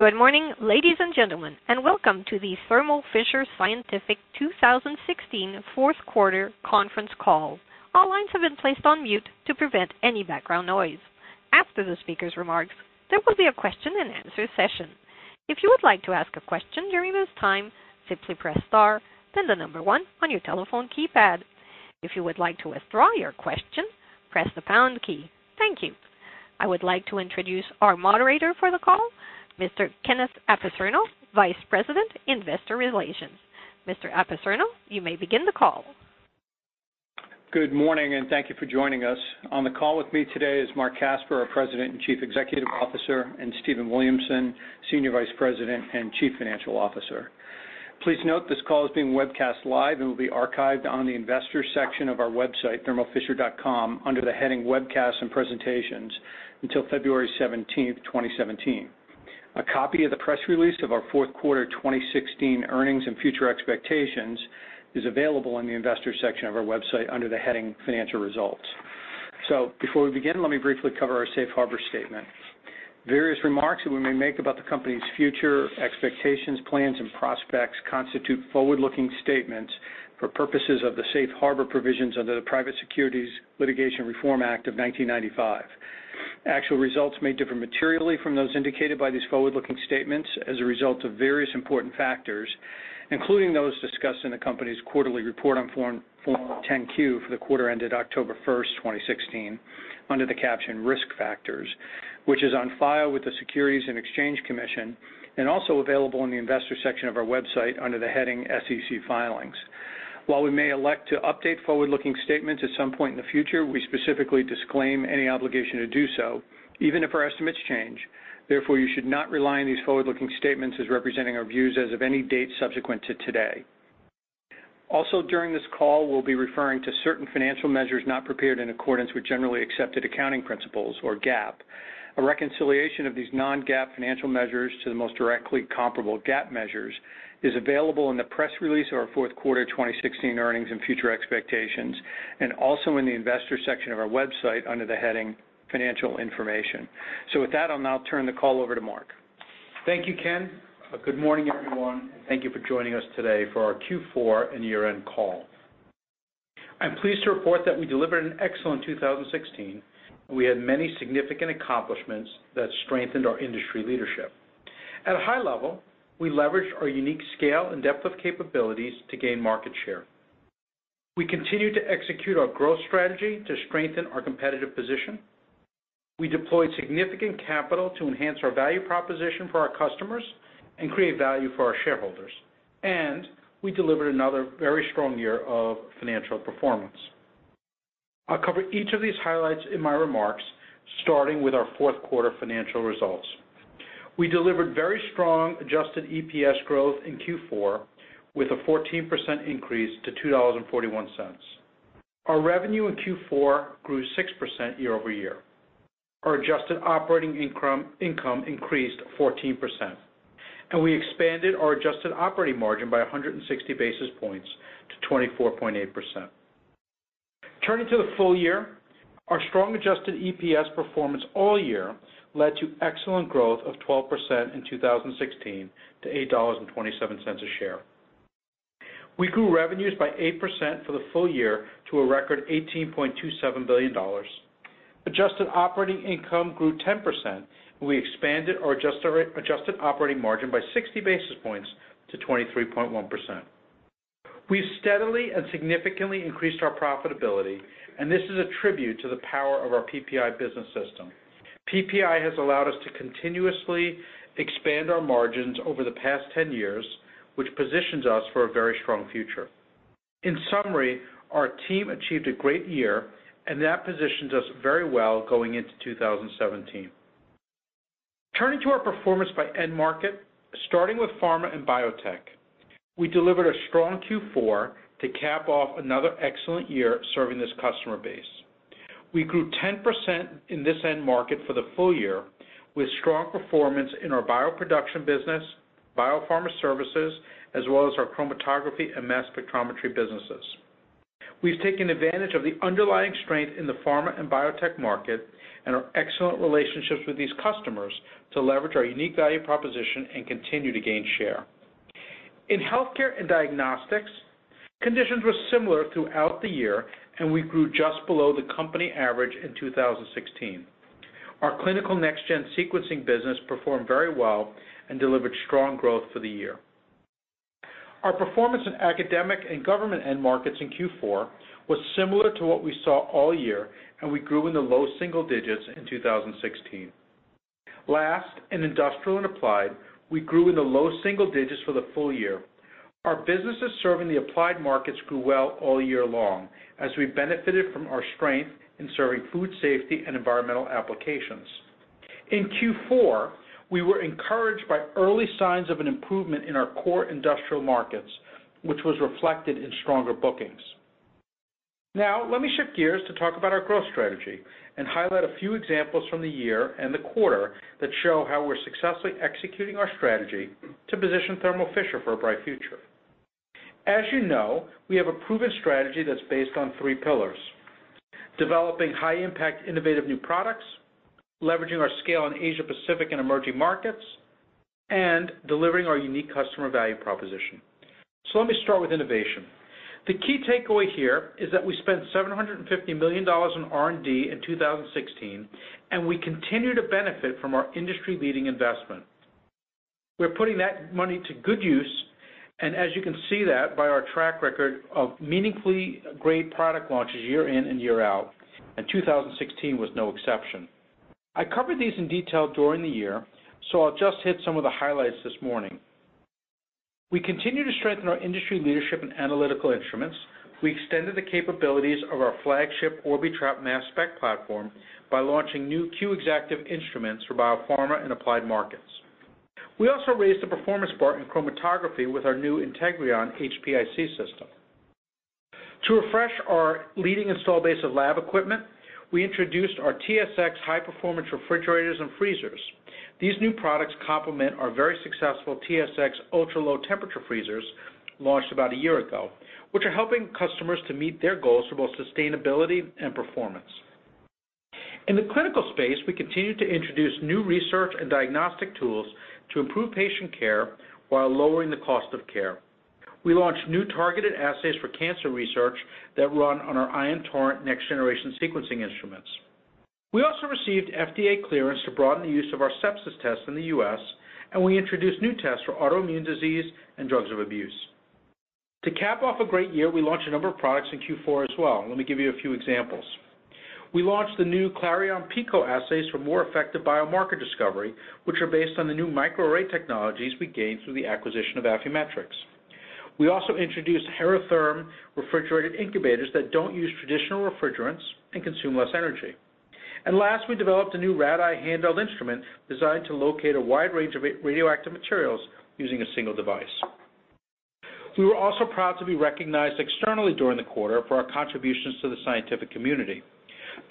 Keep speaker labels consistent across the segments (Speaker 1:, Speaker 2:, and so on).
Speaker 1: Good morning, ladies and gentlemen, welcome to the Thermo Fisher Scientific 2016 fourth quarter conference call. All lines have been placed on mute to prevent any background noise. After the speaker's remarks, there will be a question and answer session. If you would like to ask a question during this time, simply press star, then the number one on your telephone keypad. If you would like to withdraw your question, press the pound key. Thank you. I would like to introduce our moderator for the call, Mr. Kenneth Apicerno, Vice President, Investor Relations. Mr. Apicerno, you may begin the call.
Speaker 2: Good morning. Thank you for joining us. On the call with me today is Marc Casper, our President and Chief Executive Officer, and Stephen Williamson, Senior Vice President and Chief Financial Officer. Please note this call is being webcast live and will be archived on the investor section of our website, thermofisher.com, under the heading Webcasts and Presentations until February 17th, 2017. A copy of the press release of our fourth quarter 2016 earnings and future expectations is available on the investor section of our website under the heading Financial Results. Before we begin, let me briefly cover our safe harbor statement. Various remarks that we may make about the company's future expectations, plans, and prospects constitute forward-looking statements for purposes of the safe harbor provisions under the Private Securities Litigation Reform Act of 1995. Actual results may differ materially from those indicated by these forward-looking statements as a result of various important factors, including those discussed in the company's quarterly report on Form 10-Q for the quarter ended October 1st, 2016, under the caption Risk Factors, which is on file with the Securities and Exchange Commission and also available on the investor section of our website under the heading SEC Filings. While we may elect to update forward-looking statements at some point in the future, we specifically disclaim any obligation to do so, even if our estimates change. Therefore, you should not rely on these forward-looking statements as representing our views as of any date subsequent to today. Also, during this call, we'll be referring to certain financial measures not prepared in accordance with generally accepted accounting principles, or GAAP. A reconciliation of these non-GAAP financial measures to the most directly comparable GAAP measures is available in the press release of our fourth quarter 2016 earnings and future expectations, and also in the investor section of our website under the heading Financial Information. With that, I'll now turn the call over to Marc.
Speaker 3: Thank you, Ken. Good morning, everyone, and thank you for joining us today for our Q4 and year-end call. I'm pleased to report that we delivered an excellent 2016, and we had many significant accomplishments that strengthened our industry leadership. At a high level, we leveraged our unique scale and depth of capabilities to gain market share. We continued to execute our growth strategy to strengthen our competitive position. We deployed significant capital to enhance our value proposition for our customers and create value for our shareholders. We delivered another very strong year of financial performance. I'll cover each of these highlights in my remarks, starting with our fourth quarter financial results. We delivered very strong adjusted EPS growth in Q4 with a 14% increase to $2.41. Our revenue in Q4 grew 6% year-over-year. Our adjusted operating income increased 14%, and we expanded our adjusted operating margin by 160 basis points to 24.8%. Turning to the full year, our strong adjusted EPS performance all year led to excellent growth of 12% in 2016 to $8.27 a share. We grew revenues by 8% for the full year to a record $18.27 billion. Adjusted operating income grew 10%, and we expanded our adjusted operating margin by 60 basis points to 23.1%. We've steadily and significantly increased our profitability, and this is a tribute to the power of our PPI business system. PPI has allowed us to continuously expand our margins over the past 10 years, which positions us for a very strong future. In summary, our team achieved a great year, and that positions us very well going into 2017. Turning to our performance by end market, starting with pharma and biotech. We delivered a strong Q4 to cap off another excellent year serving this customer base. We grew 10% in this end market for the full year, with strong performance in our bioproduction business, biopharma services, as well as our chromatography and mass spectrometry businesses. We've taken advantage of the underlying strength in the pharma and biotech market and our excellent relationships with these customers to leverage our unique value proposition and continue to gain share. In healthcare and diagnostics, conditions were similar throughout the year, and we grew just below the company average in 2016. Our clinical next-gen sequencing business performed very well and delivered strong growth for the year. Our performance in academic and government end markets in Q4 was similar to what we saw all year, and we grew in the low single digits in 2016. Last, in industrial and applied, we grew in the low single digits for the full year. Our businesses serving the applied markets grew well all year long as we benefited from our strength in serving food safety and environmental applications. In Q4, we were encouraged by early signs of an improvement in our core industrial markets, which was reflected in stronger bookings. Let me shift gears to talk about our growth strategy and highlight a few examples from the year and the quarter that show how we're successfully executing our strategy to position Thermo Fisher for a bright future. As you know, we have a proven strategy that's based on three pillars: developing high-impact innovative new products, leveraging our scale in Asia Pacific and emerging markets, and delivering our unique customer value proposition. Let me start with innovation. The key takeaway here is that we spent $750 million on R&D in 2016. We continue to benefit from our industry-leading investment. We're putting that money to good use. As you can see that by our track record of meaningfully great product launches year in and year out, 2016 was no exception. I covered these in detail during the year, so I'll just hit some of the highlights this morning. We continue to strengthen our industry leadership in Analytical Instruments. We extended the capabilities of our flagship Orbitrap mass spec platform by launching new Q Exactive instruments for biopharma and applied markets. We also raised the performance bar in chromatography with our new Integrion HPIC system. To refresh our leading install base of lab equipment, we introduced our TSX high-performance refrigerators and freezers. These new products complement our very successful TSX ultra-low temperature freezers launched about a year ago, which are helping customers to meet their goals for both sustainability and performance. In the clinical space, we continue to introduce new research and diagnostic tools to improve patient care while lowering the cost of care. We launched new targeted assays for cancer research that run on our Ion Torrent next-generation sequencing instruments. We also received FDA clearance to broaden the use of our sepsis test in the U.S. We introduced new tests for autoimmune disease and drugs of abuse. To cap off a great year, we launched a number of products in Q4 as well. Let me give you a few examples. We launched the new Clariom Pico assays for more effective biomarker discovery, which are based on the new microarray technologies we gained through the acquisition of Affymetrix. We also introduced Heratherm refrigerated incubators that don't use traditional refrigerants and consume less energy. Last, we developed a new RadEye handheld instrument designed to locate a wide range of radioactive materials using a single device. We were also proud to be recognized externally during the quarter for our contributions to the scientific community.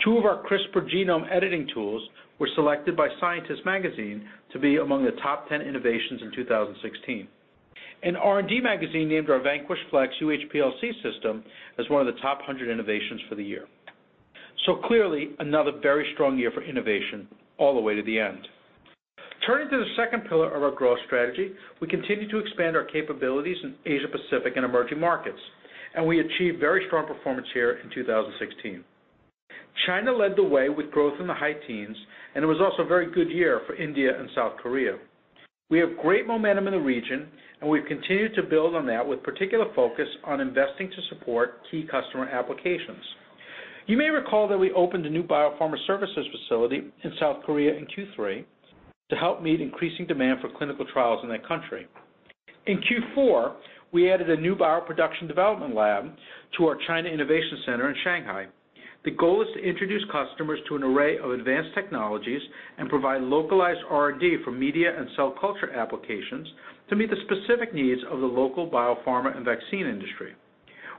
Speaker 3: Two of our CRISPR genome editing tools were selected by "The Scientist" magazine to be among the top 10 innovations in 2016. R&D Magazine named our Vanquish Flex UHPLC system as one of the top 100 innovations for the year. Clearly, another very strong year for innovation all the way to the end. Turning to the second pillar of our growth strategy, we continue to expand our capabilities in Asia Pacific and emerging markets. We achieved very strong performance here in 2016. China led the way with growth in the high teens. It was also a very good year for India and South Korea. We have great momentum in the region. We've continued to build on that with particular focus on investing to support key customer applications. You may recall that we opened a new biopharma services facility in South Korea in Q3 to help meet increasing demand for clinical trials in that country. In Q4, we added a new bioproduction development lab to our China Innovation Center in Shanghai. The goal is to introduce customers to an array of advanced technologies and provide localized R&D for media and cell culture applications to meet the specific needs of the local biopharma and vaccine industry.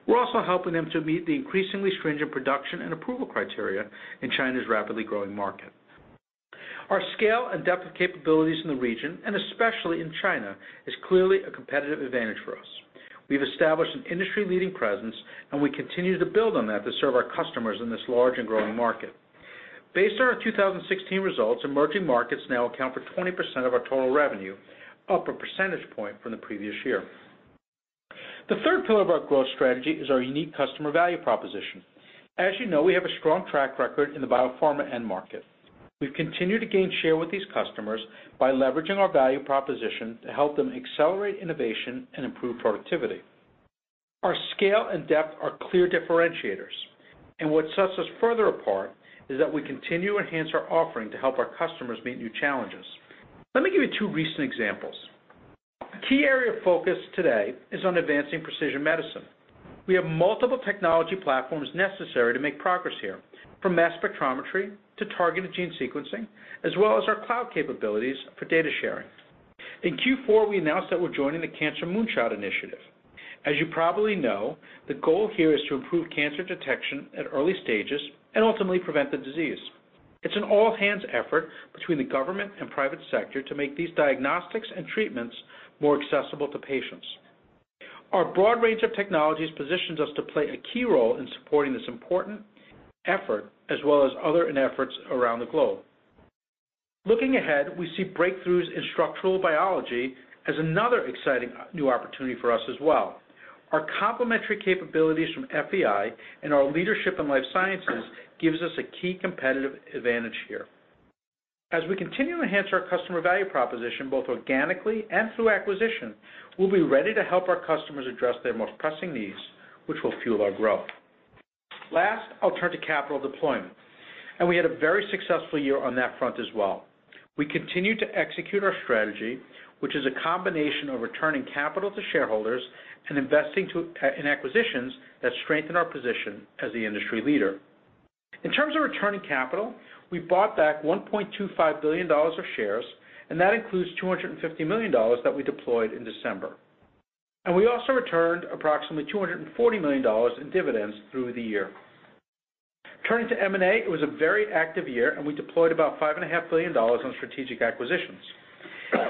Speaker 3: We're also helping them to meet the increasingly stringent production and approval criteria in China's rapidly growing market. Our scale and depth of capabilities in the region, especially in China, is clearly a competitive advantage for us. We've established an industry-leading presence. We continue to build on that to serve our customers in this large and growing market. Based on our 2016 results, emerging markets now account for 20% of our total revenue, up a percentage point from the previous year. The third pillar of our growth strategy is our unique customer value proposition. As you know, we have a strong track record in the biopharma end market. We've continued to gain share with these customers by leveraging our value proposition to help them accelerate innovation and improve productivity. Our scale and depth are clear differentiators. What sets us further apart is that we continue to enhance our offering to help our customers meet new challenges. Let me give you two recent examples. A key area of focus today is on advancing precision medicine. We have multiple technology platforms necessary to make progress here, from mass spectrometry to targeted gene sequencing, as well as our cloud capabilities for data sharing. In Q4, we announced that we're joining the Cancer Moonshot initiative. As you probably know, the goal here is to improve cancer detection at early stages and ultimately prevent the disease. It's an all-hands effort between the government and private sector to make these diagnostics and treatments more accessible to patients. Our broad range of technologies positions us to play a key role in supporting this important effort, as well as other efforts around the globe. Looking ahead, we see breakthroughs in structural biology as another exciting new opportunity for us as well. Our complementary capabilities from FEI and our leadership in life sciences gives us a key competitive advantage here. As we continue to enhance our customer value proposition, both organically and through acquisition, we'll be ready to help our customers address their most pressing needs, which will fuel our growth. Last, I'll turn to capital deployment. We had a very successful year on that front as well. We continued to execute our strategy, which is a combination of returning capital to shareholders and investing in acquisitions that strengthen our position as the industry leader. In terms of returning capital, we bought back $1.25 billion of shares, and that includes $250 million that we deployed in December. We also returned approximately $240 million in dividends through the year. Turning to M&A, it was a very active year. We deployed about $5.5 billion on strategic acquisitions.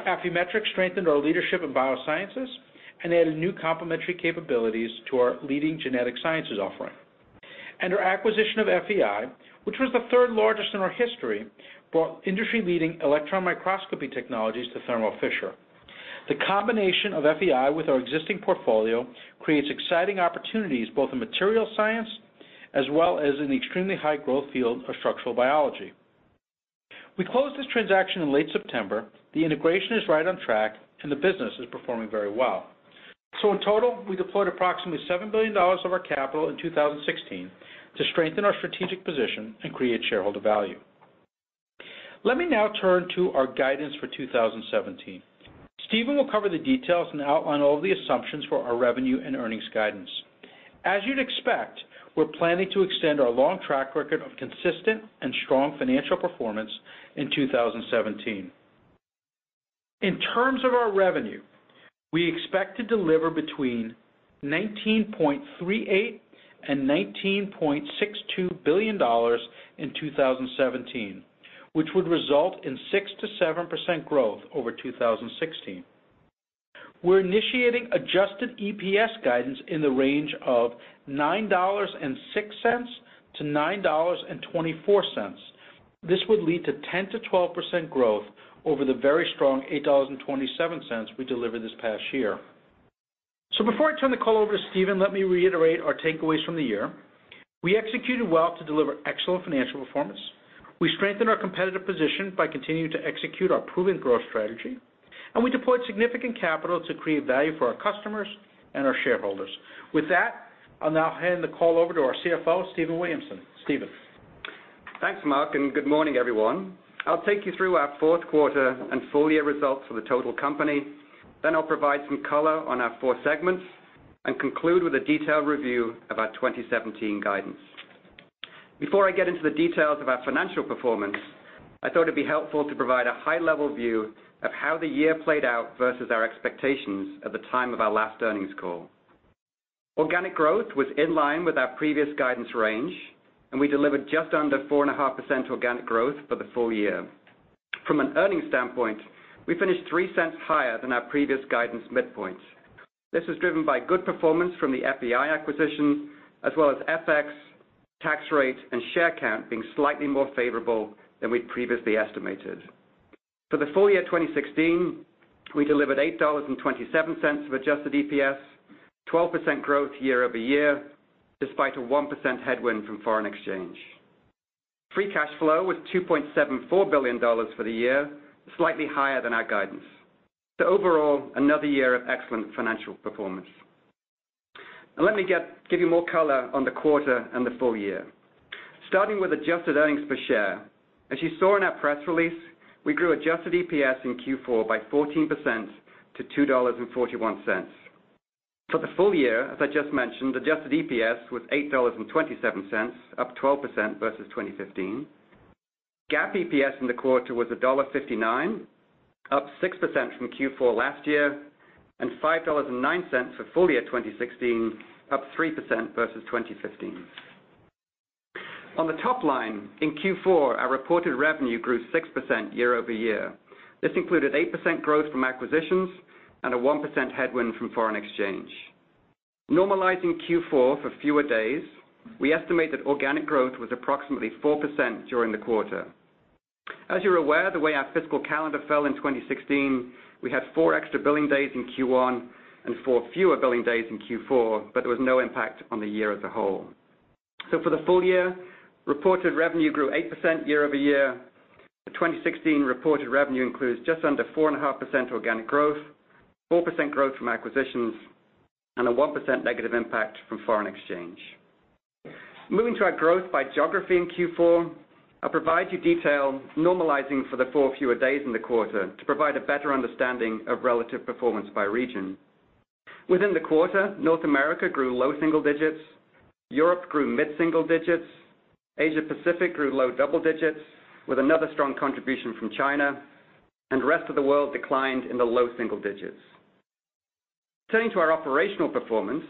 Speaker 3: Affymetrix strengthened our leadership in biosciences and added new complementary capabilities to our leading genetic sciences offering. Our acquisition of FEI, which was the third largest in our history, brought industry-leading electron microscopy technologies to Thermo Fisher. The combination of FEI with our existing portfolio creates exciting opportunities both in material science as well as in the extremely high-growth field of structural biology. We closed this transaction in late September. The integration is right on track. The business is performing very well. In total, we deployed approximately $7 billion of our capital in 2016 to strengthen our strategic position and create shareholder value. Let me now turn to our guidance for 2017. Stephen will cover the details and outline all of the assumptions for our revenue and earnings guidance. As you'd expect, we're planning to extend our long track record of consistent and strong financial performance in 2017. In terms of our revenue, we expect to deliver between $19.38 billion and $19.62 billion in 2017, which would result in 6%-7% growth over 2016. We're initiating adjusted EPS guidance in the range of $9.06 to $9.24. This would lead to 10%-12% growth over the very strong $8.27 we delivered this past year. Before I turn the call over to Stephen, let me reiterate our takeaways from the year. We executed well to deliver excellent financial performance, we strengthened our competitive position by continuing to execute our proven growth strategy, and we deployed significant capital to create value for our customers and our shareholders. With that, I'll now hand the call over to our CFO, Stephen Williamson. Stephen.
Speaker 4: Thanks, Marc, good morning, everyone. I'll take you through our fourth quarter and full-year results for the total company. I'll provide some color on our four segments and conclude with a detailed review of our 2017 guidance. Before I get into the details of our financial performance, I thought it'd be helpful to provide a high-level view of how the year played out versus our expectations at the time of our last earnings call. Organic growth was in line with our previous guidance range, and we delivered just under 4.5% organic growth for the full year. From an earnings standpoint, we finished $0.03 higher than our previous guidance midpoint. This was driven by good performance from the FEI acquisition as well as FX, tax rate, and share count being slightly more favorable than we'd previously estimated. For the full-year 2016, we delivered $8.27 of adjusted EPS, 12% growth year-over-year, despite a 1% headwind from foreign exchange. Free cash flow was $2.74 billion for the year, slightly higher than our guidance. Overall, another year of excellent financial performance. Let me give you more color on the quarter and the full year. Starting with adjusted earnings per share. As you saw in our press release, we grew adjusted EPS in Q4 by 14% to $2.41. For the full year, as I just mentioned, adjusted EPS was $8.27, up 12% versus 2015. GAAP EPS in the quarter was $1.59, up 6% from Q4 last year, and $5.09 for full-year 2016, up 3% versus 2015. On the top line, in Q4, our reported revenue grew 6% year-over-year. This included 8% growth from acquisitions and a 1% headwind from foreign exchange. Normalizing Q4 for fewer days, we estimate that organic growth was approximately 4% during the quarter. As you're aware, the way our fiscal calendar fell in 2016, we had four extra billing days in Q1 and four fewer billing days in Q4, but there was no impact on the year as a whole. For the full-year, reported revenue grew 8% year-over-year. The 2016 reported revenue includes just under 4.5% organic growth, 4% growth from acquisitions, and a 1% negative impact from foreign exchange. Moving to our growth by geography in Q4, I'll provide you detail normalizing for the four fewer days in the quarter to provide a better understanding of relative performance by region. Within the quarter, North America grew low single digits, Europe grew mid-single digits, Asia-Pacific grew low double digits with another strong contribution from China, and the rest of the world declined in the low single digits. Turning to our operational performance,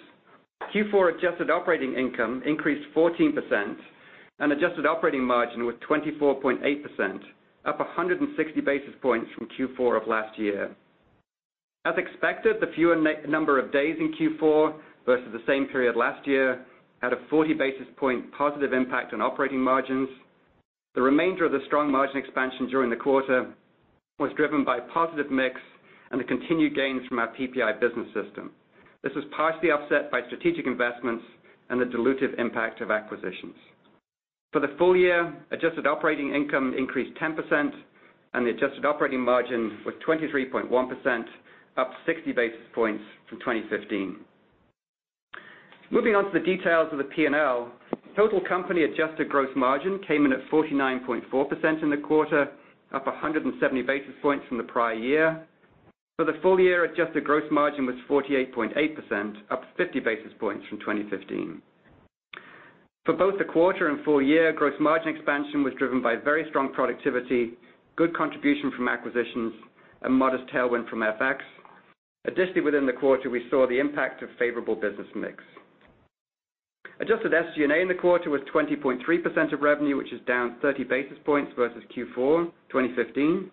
Speaker 4: Q4 adjusted operating income increased 14%, and adjusted operating margin was 24.8%, up 160 basis points from Q4 of last year. As expected, the fewer number of days in Q4 versus the same period last year had a 40-basis-point positive impact on operating margins. The remainder of the strong margin expansion during the quarter was driven by positive mix and the continued gains from our PPI business system. This was partially offset by strategic investments and the dilutive impact of acquisitions. For the full year, adjusted operating income increased 10%, and the adjusted operating margin was 23.1%, up 60 basis points from 2015. Moving on to the details of the P&L, total company adjusted gross margin came in at 49.4% in the quarter, up 170 basis points from the prior year. For the full year, adjusted gross margin was 48.8%, up 50 basis points from 2015. For both the quarter and full year, gross margin expansion was driven by very strong productivity, good contribution from acquisitions, a modest tailwind from FX. Within the quarter, we saw the impact of favorable business mix. Adjusted SG&A in the quarter was 20.3% of revenue, which is down 30 basis points versus Q4 2015,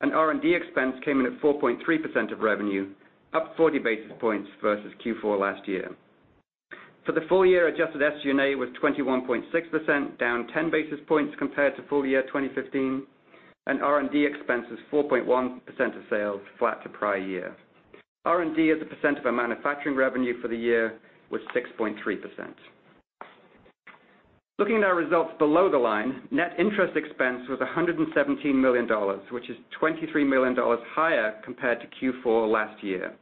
Speaker 4: and R&D expense came in at 4.3% of revenue, up 40 basis points versus Q4 last year. For the full year, adjusted SG&A was 21.6%, down 10 basis points compared to full year 2015, and R&D expense was 4.1% of sales, flat to prior year. R&D as a percent of our manufacturing revenue for the year was 6.3%. Looking at our results below the line, net interest expense was $117 million, which is $23 million higher compared to Q4 last year,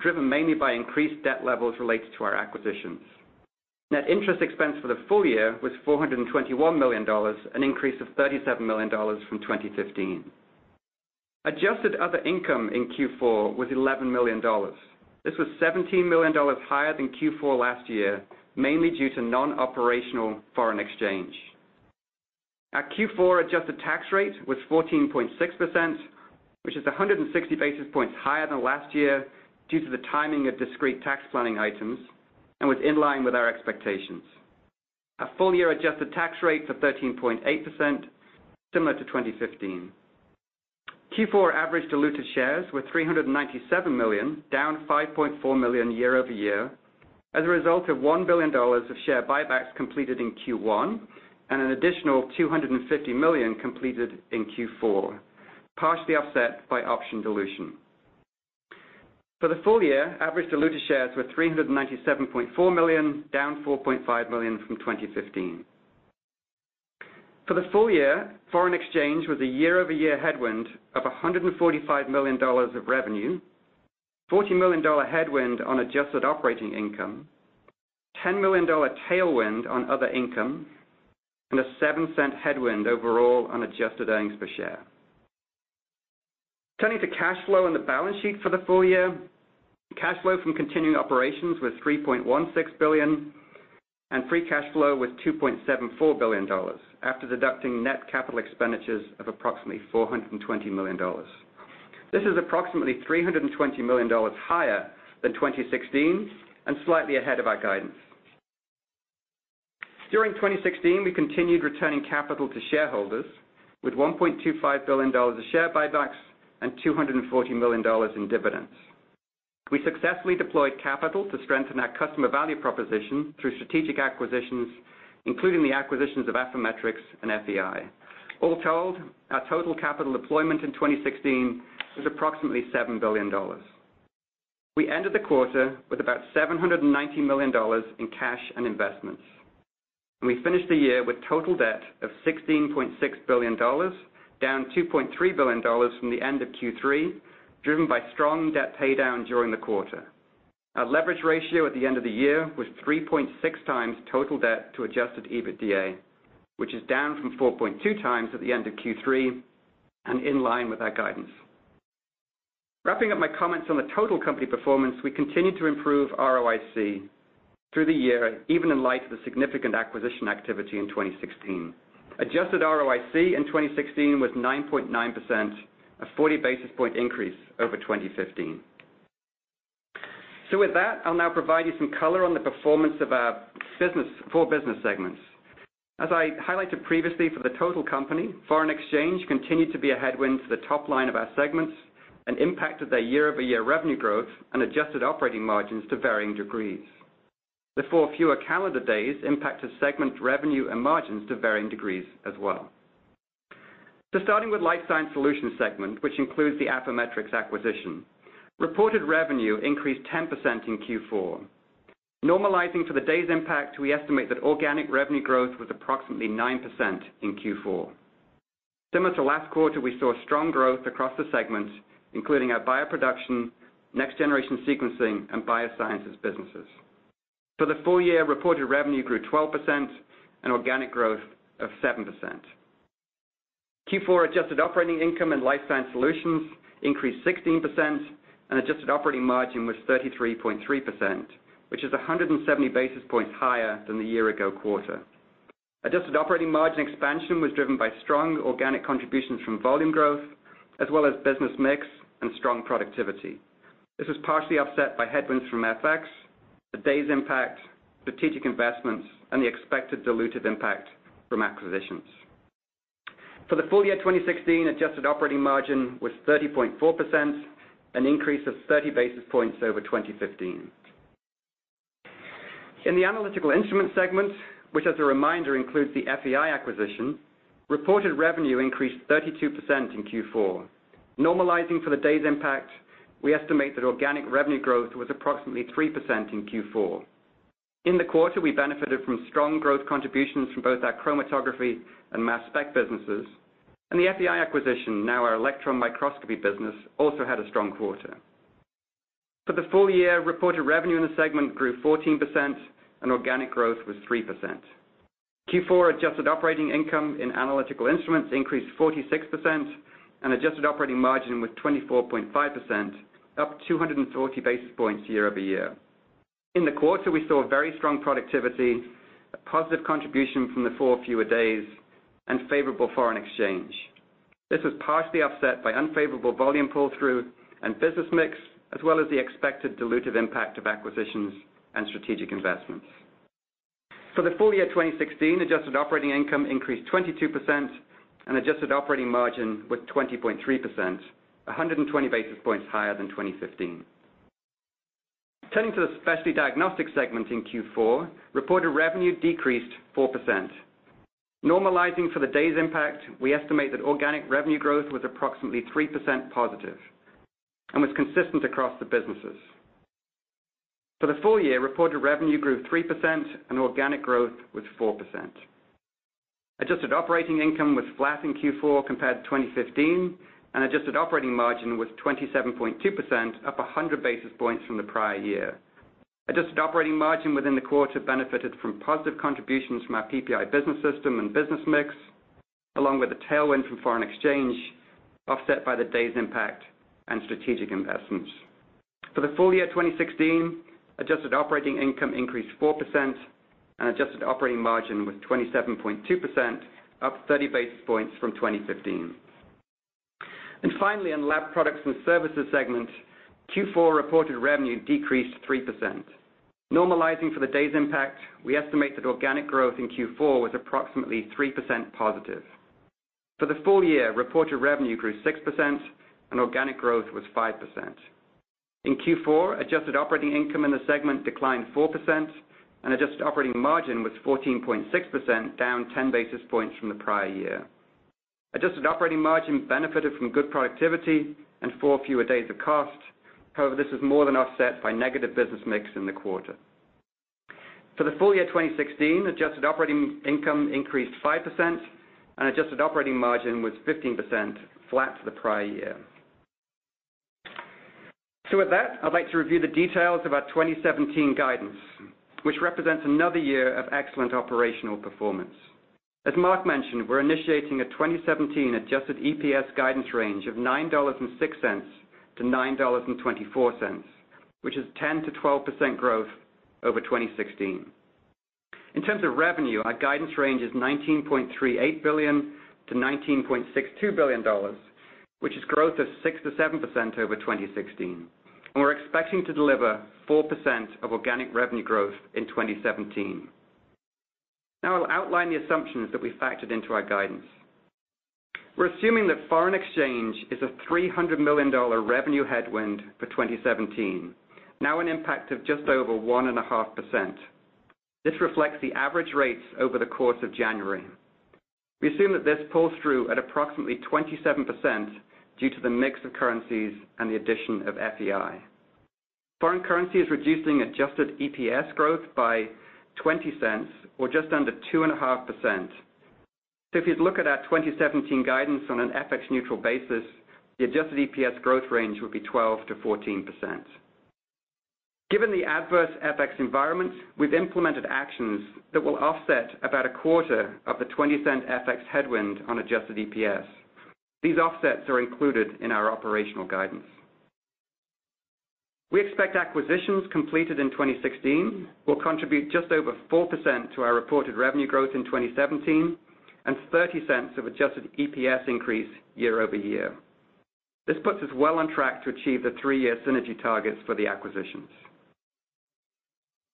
Speaker 4: driven mainly by increased debt levels related to our acquisitions. Net interest expense for the full year was $421 million, an increase of $37 million from 2015. Adjusted other income in Q4 was $11 million. This was $17 million higher than Q4 last year, mainly due to non-operational foreign exchange. Our Q4 adjusted tax rate was 14.6%, which is 160 basis points higher than last year due to the timing of discrete tax planning items and was in line with our expectations. Our full-year adjusted tax rate for 13.8%, similar to 2015. Q4 average diluted shares were 397 million, down 5.4 million year-over-year as a result of $1 billion of share buybacks completed in Q1 and an additional 250 million completed in Q4, partially offset by option dilution. For the full year, average diluted shares were 397.4 million, down 4.5 million from 2015. For the full year, foreign exchange was a year-over-year headwind of $145 million of revenue, $40 million headwind on adjusted operating income, $10 million tailwind on other income, and a $0.07 headwind overall on adjusted earnings per share. Turning to cash flow and the balance sheet for the full year. Cash flow from continuing operations was $3.16 billion, and free cash flow was $2.74 billion, after deducting net capital expenditures of approximately $420 million. This is approximately $320 million higher than 2016 and slightly ahead of our guidance. During 2016, we continued returning capital to shareholders with $1.25 billion of share buybacks and $240 million in dividends. We successfully deployed capital to strengthen our customer value proposition through strategic acquisitions, including the acquisitions of Affymetrix and FEI. All told, our total capital deployment in 2016 was approximately $7 billion. We ended the quarter with about $790 million in cash and investments, and we finished the year with total debt of $16.6 billion, down $2.3 billion from the end of Q3, driven by strong debt paydown during the quarter. Our leverage ratio at the end of the year was 3.6 times total debt to adjusted EBITDA, which is down from 4.2 times at the end of Q3 and in line with our guidance. Wrapping up my comments on the total company performance, we continued to improve ROIC through the year, even in light of the significant acquisition activity in 2016. Adjusted ROIC in 2016 was 9.9%, a 40 basis point increase over 2015. With that, I'll now provide you some color on the performance of our four business segments. As I highlighted previously for the total company, foreign exchange continued to be a headwind to the top line of our segments and impacted their year-over-year revenue growth and adjusted operating margins to varying degrees. The four fewer calendar days impacted segment revenue and margins to varying degrees as well. Starting with Life Sciences Solutions segment, which includes the Affymetrix acquisition. Reported revenue increased 10% in Q4. Normalizing for the days impact, we estimate that organic revenue growth was approximately 9% in Q4. Similar to last quarter, we saw strong growth across the segments, including our bioproduction, next-generation sequencing, and biosciences businesses. For the full year, reported revenue grew 12% and organic growth of 7%. Q4 adjusted operating income in Life Sciences Solutions increased 16%, and adjusted operating margin was 33.3%, which is 170 basis points higher than the year-ago quarter. Adjusted operating margin expansion was driven by strong organic contributions from volume growth as well as business mix and strong productivity. This was partially offset by headwinds from FX, the days impact, strategic investments, and the expected dilutive impact from acquisitions. For the full year 2016, adjusted operating margin was 30.4%, an increase of 30 basis points over 2015. In the Analytical Instruments segment, which as a reminder includes the FEI acquisition, reported revenue increased 32% in Q4. Normalizing for the days impact, we estimate that organic revenue growth was approximately 3% in Q4. In the quarter, we benefited from strong growth contributions from both our chromatography and mass spec businesses, and the FEI acquisition, now our electron microscopy business, also had a strong quarter. For the full year, reported revenue in the segment grew 14% and organic growth was 3%. Q4 adjusted operating income in Analytical Instruments increased 46%, and adjusted operating margin was 24.5%, up 240 basis points year-over-year. In the quarter, we saw very strong productivity, a positive contribution from the four fewer days, and favorable foreign exchange. This was partially offset by unfavorable volume pull-through and business mix, as well as the expected dilutive impact of acquisitions and strategic investments. For the full year 2016, adjusted operating income increased 22%, and adjusted operating margin was 20.3%, 120 basis points higher than 2015. Turning to the Specialty Diagnostics segment in Q4, reported revenue decreased 4%. Normalizing for the day's impact, we estimate that organic revenue growth was approximately 3% positive and was consistent across the businesses. For the full year, reported revenue grew 3% and organic growth was 4%. Adjusted operating income was flat in Q4 compared to 2015, and adjusted operating margin was 27.2%, up 100 basis points from the prior year. Adjusted operating margin within the quarter benefited from positive contributions from our PPI business system and business mix, along with a tailwind from foreign exchange, offset by the day's impact and strategic investments. For the full year 2016, adjusted operating income increased 4%, and adjusted operating margin was 27.2%, up 30 basis points from 2015. Finally, in Laboratory Products and Services segment, Q4 reported revenue decreased 3%. Normalizing for the day's impact, we estimate that organic growth in Q4 was approximately 3% positive. For the full year, reported revenue grew 6% and organic growth was 5%. In Q4, adjusted operating income in the segment declined 4%, and adjusted operating margin was 14.6%, down 10 basis points from the prior year. Adjusted operating margin benefited from good productivity and four fewer days of cost. However, this was more than offset by negative business mix in the quarter. For the full year 2016, adjusted operating income increased 5%, and adjusted operating margin was 15%, flat to the prior year. With that, I'd like to review the details of our 2017 guidance, which represents another year of excellent operational performance. As Marc mentioned, we're initiating a 2017 adjusted EPS guidance range of $9.06-$9.24, which is 10%-12% growth over 2016. In terms of revenue, our guidance range is $19.38 billion-$19.62 billion, which is growth of 6%-7% over 2016. We're expecting to deliver 4% of organic revenue growth in 2017. I'll outline the assumptions that we factored into our guidance. We're assuming that foreign exchange is a $300 million revenue headwind for 2017, now an impact of just over 1.5%. This reflects the average rates over the course of January. We assume that this pulls through at approximately 27% due to the mix of currencies and the addition of FEI. Foreign currency is reducing adjusted EPS growth by $0.20 or just under 2.5%. If you'd look at our 2017 guidance on an FX neutral basis, the adjusted EPS growth range would be 12%-14%. Given the adverse FX environment, we've implemented actions that will offset about a quarter of the $0.20 FX headwind on adjusted EPS. These offsets are included in our operational guidance. We expect acquisitions completed in 2016 will contribute just over 4% to our reported revenue growth in 2017 and $0.30 of adjusted EPS increase year-over-year. This puts us well on track to achieve the three-year synergy targets for the acquisitions.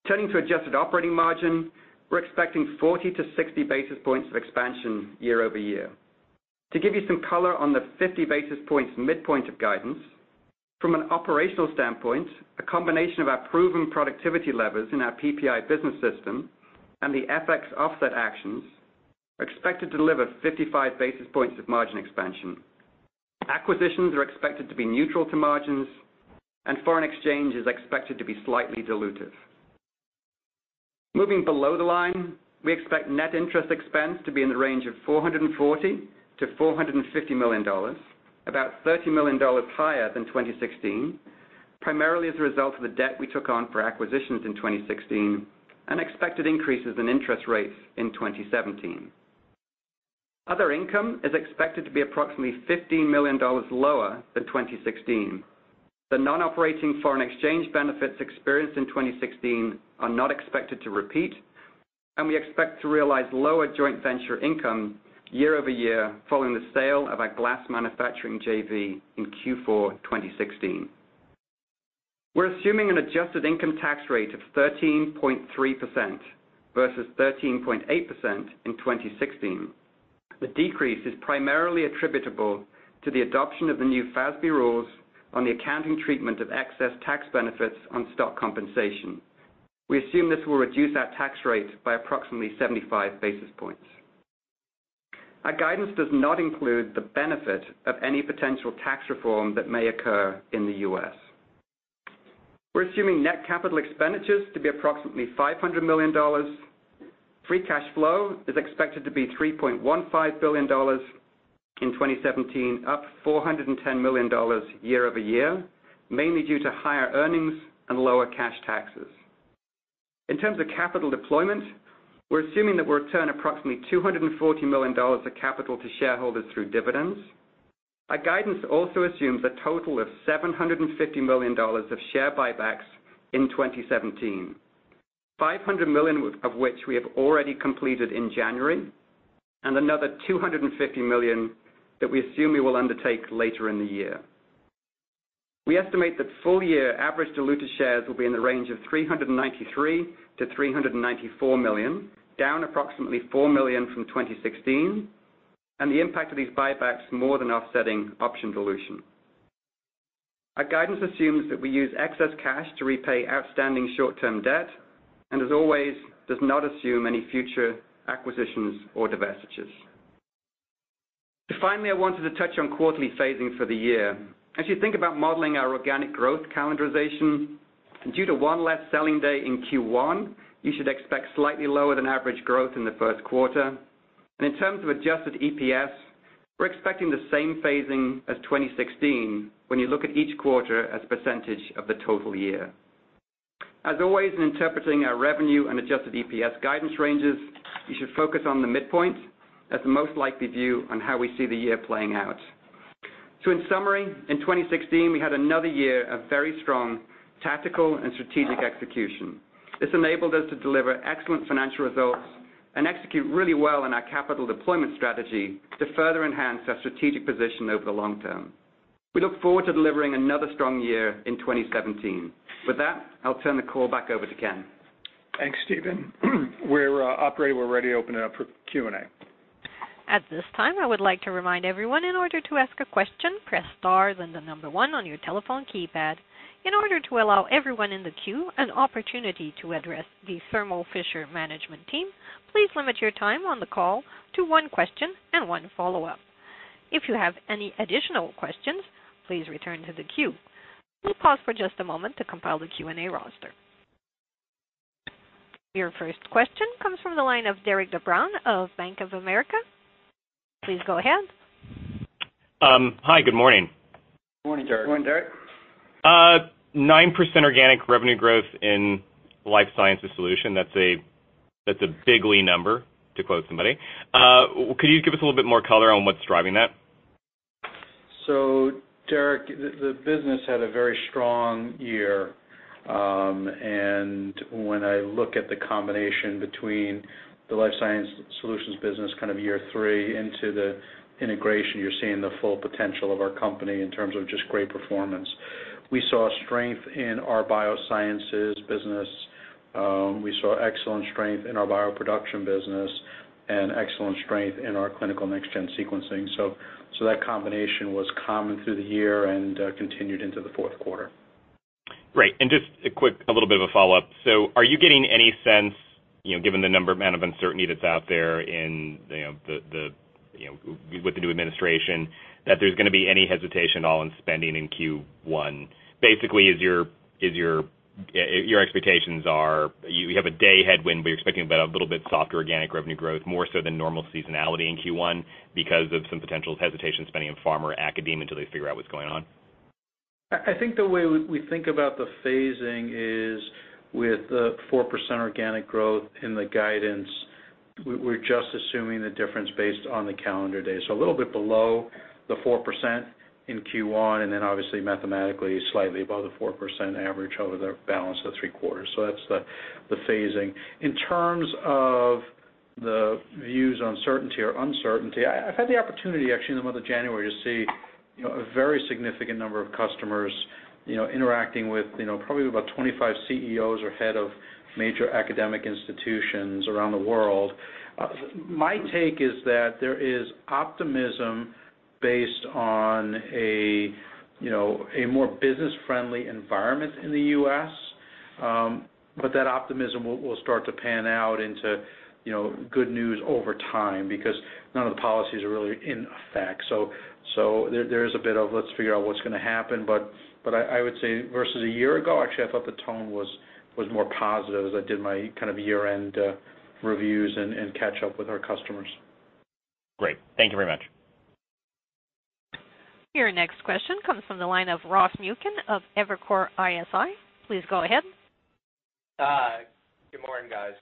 Speaker 4: Turning to adjusted operating margin, we're expecting 40-60 basis points of expansion year-over-year. To give you some color on the 50 basis points midpoint of guidance, from an operational standpoint, a combination of our proven productivity levers in our PPI business system and the FX offset actions are expected to deliver 55 basis points of margin expansion. Acquisitions are expected to be neutral to margins. Foreign exchange is expected to be slightly dilutive. Moving below the line, we expect net interest expense to be in the range of $440 million-$450 million, about $30 million higher than 2016, primarily as a result of the debt we took on for acquisitions in 2016 and expected increases in interest rates in 2017. Other income is expected to be approximately $15 million lower than 2016. The non-operating foreign exchange benefits experienced in 2016 are not expected to repeat, and we expect to realize lower joint venture income year-over-year following the sale of our glass manufacturing JV in Q4 2016. We're assuming an adjusted income tax rate of 13.3% versus 13.8% in 2016. The decrease is primarily attributable to the adoption of the new FASB rules on the accounting treatment of excess tax benefits on stock compensation. We assume this will reduce our tax rate by approximately 75 basis points. Our guidance does not include the benefit of any potential tax reform that may occur in the U.S. We're assuming net capital expenditures to be approximately $500 million. Free cash flow is expected to be $3.15 billion in 2017, up $410 million year-over-year, mainly due to higher earnings and lower cash taxes. In terms of capital deployment, we're assuming that we'll return approximately $240 million of capital to shareholders through dividends. Our guidance also assumes a total of $750 million of share buybacks in 2017. $500 million of which we have already completed in January, and another $250 million that we assume we will undertake later in the year. We estimate that full year average diluted shares will be in the range of 393 million-394 million, down approximately four million from 2016. The impact of these buybacks more than offsetting option dilution. Our guidance assumes that we use excess cash to repay outstanding short-term debt. As always, does not assume any future acquisitions or divestitures. Finally, I wanted to touch on quarterly phasing for the year. As you think about modeling our organic growth calendarization, due to one less selling day in Q1, you should expect slightly lower than average growth in the first quarter. In terms of adjusted EPS, we're expecting the same phasing as 2016 when you look at each quarter as a percentage of the total year. As always, in interpreting our revenue and adjusted EPS guidance ranges, you should focus on the midpoint as the most likely view on how we see the year playing out. In summary, in 2016, we had another year of very strong tactical and strategic execution. This enabled us to deliver excellent financial results and execute really well on our capital deployment strategy to further enhance our strategic position over the long term. We look forward to delivering another strong year in 2017. With that, I'll turn the call back over to Ken.
Speaker 2: Thanks, Stephen. Operator, we're ready to open it up for Q&A.
Speaker 1: At this time, I would like to remind everyone, in order to ask a question, press star, then the number one on your telephone keypad. In order to allow everyone in the queue an opportunity to address the Thermo Fisher management team, please limit your time on the call to one question and one follow-up. If you have any additional questions, please return to the queue. We'll pause for just a moment to compile the Q&A roster. Your first question comes from the line of Derik De Bruin of Bank of America. Please go ahead.
Speaker 5: Hi, good morning.
Speaker 3: Morning, Derik. 9% organic revenue growth in Life Sciences Solutions, that's a bigly number, to quote somebody. Could you give us a little bit more color on what's driving that? Derik, the business had a very strong year, and when I look at the combination between the Life Sciences Solutions business year three into the integration, you're seeing the full potential of our company in terms of just great performance. We saw strength in our biosciences business. We saw excellent strength in our bioproduction business and excellent strength in our clinical next-gen sequencing. That combination was common through the year and continued into the fourth quarter.
Speaker 5: Just a quick little bit of a follow-up. Are you getting any sense, given the number amount of uncertainty that's out there with the new administration, that there's going to be any hesitation at all in spending in Q1? Basically, your expectations are, you have a day headwind, but you're expecting about a little bit softer organic revenue growth, more so than normal seasonality in Q1 because of some potential hesitation spending in pharma or academe until they figure out what's going on?
Speaker 3: I think the way we think about the phasing is with the 4% organic growth in the guidance, we're just assuming the difference based on the calendar day. A little bit below the 4% in Q1, and then obviously mathematically, slightly above the 4% average over the balance of the three quarters. That's the phasing. In terms of the views on certainty or uncertainty, I've had the opportunity, actually, in the month of January to see a very significant number of customers interacting with probably about 25 CEOs or head of major academic institutions around the world. My take is that there is optimism based on a more business-friendly environment in the U.S. but that optimism will start to pan out into good news over time because none of the policies are really in effect. There is a bit of let's figure out what's going to happen, I would say versus a year ago, actually, I thought the tone was more positive as I did my year-end reviews and catch up with our customers.
Speaker 5: Great. Thank you very much.
Speaker 1: Your next question comes from the line of Ross Muken of Evercore ISI. Please go ahead.
Speaker 6: Hi. Good morning, guys.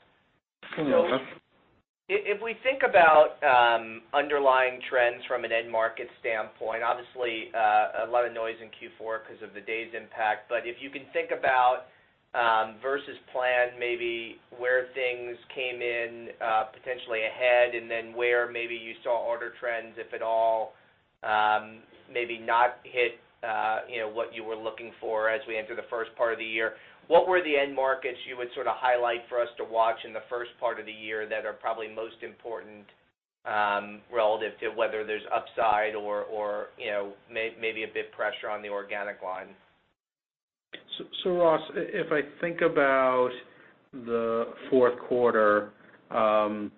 Speaker 3: Good morning, Ross.
Speaker 6: If we think about underlying trends from an end market standpoint, obviously, a lot of noise in Q4 because of the day's impact. If you can think about versus plan maybe where things came in potentially ahead, and then where maybe you saw order trends, if at all, maybe not hit what you were looking for as we enter the first part of the year. What were the end markets you would highlight for us to watch in the first part of the year that are probably most important, relative to whether there's upside or maybe a bit pressure on the organic line?
Speaker 3: Ross, if I think about the fourth quarter, the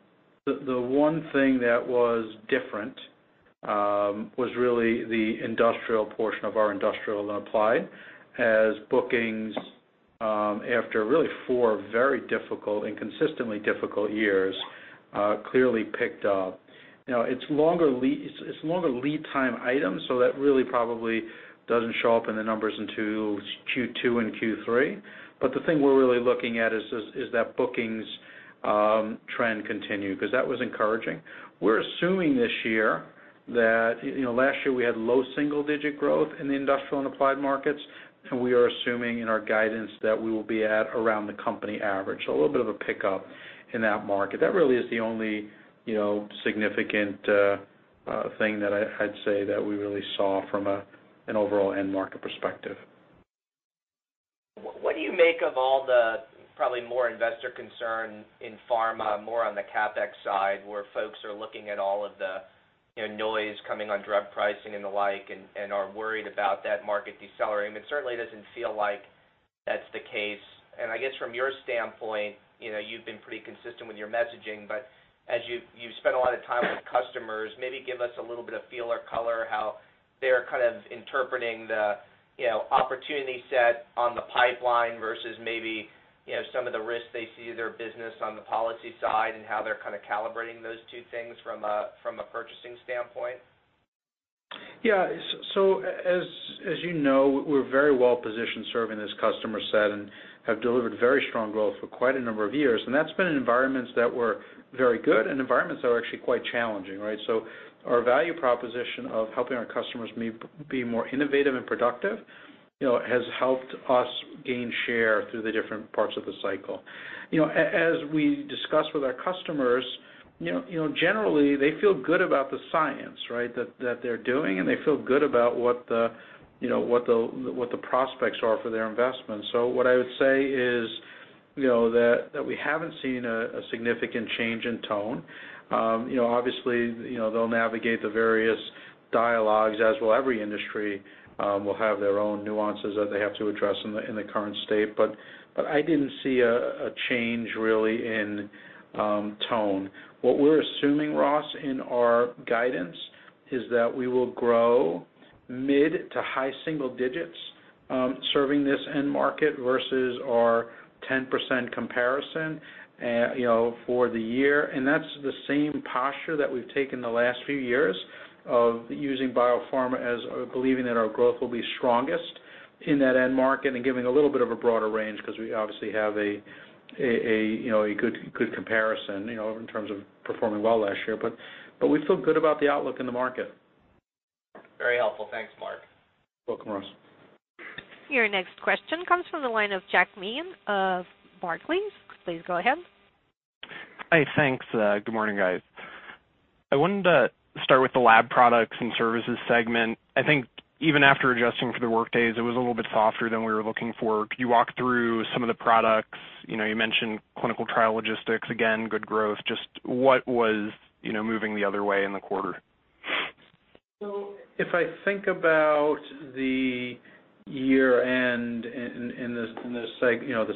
Speaker 3: one thing that was different was really the industrial portion of our industrial applied as bookings after really four very difficult and consistently difficult years, clearly picked up. It's longer lead time items, so that really probably doesn't show up in the numbers until Q2 and Q3. The thing we're really looking at is does that bookings trend continue? That was encouraging. We're assuming this year that last year we had low single-digit growth in the industrial and applied markets, and we are assuming in our guidance that we will be at around the company average. A little bit of a pickup in that market. That really is the only significant thing that I'd say that we really saw from an overall end market perspective.
Speaker 6: What do you make of all the, probably more investor concern in pharma, more on the CapEx side, where folks are looking at all of the noise coming on drug pricing and the like, and are worried about that market decelerating? It certainly doesn't feel like that's the case. I guess from your standpoint, you've been pretty consistent with your messaging, but as you've spent a lot of time with customers, maybe give us a little bit of feel or color how they're kind of interpreting the opportunity set on the pipeline versus maybe some of the risks they see to their business on the policy side, and how they're kind of calibrating those two things from a purchasing standpoint.
Speaker 3: Yeah. As you know, we're very well-positioned serving this customer set and have delivered very strong growth for quite a number of years, and that's been in environments that were very good and environments that were actually quite challenging, right? Our value proposition of helping our customers be more innovative and productive, has helped us gain share through the different parts of the cycle. As we discuss with our customers, generally, they feel good about the science, right? They're doing, and they feel good about what the prospects are for their investments. What I would say is that we haven't seen a significant change in tone. Obviously, they'll navigate the various dialogues, as will every industry, will have their own nuances that they have to address in the current state. I didn't see a change, really, in tone. What we're assuming, Ross, in our guidance is that we will grow mid to high single digits, serving this end market versus our 10% comparison for the year. That's the same posture that we've taken the last few years of using biopharma as believing that our growth will be strongest in that end market, and giving a little bit of a broader range because we obviously have a good comparison in terms of performing well last year. We feel good about the outlook in the market.
Speaker 6: Very helpful. Thanks, Marc.
Speaker 3: You're welcome, Ross.
Speaker 1: Your next question comes from the line of Jack Meehan of Barclays. Please go ahead.
Speaker 7: Hi, thanks. Good morning, guys. I wanted to start with the Laboratory Products and Services segment. I think even after adjusting for the workdays, it was a little bit softer than we were looking for. Could you walk through some of the products? You mentioned clinical trial logistics, again, good growth. Just what was moving the other way in the quarter?
Speaker 3: If I think about the year-end in the